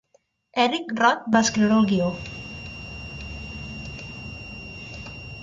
Eric Roth va escriure el guió.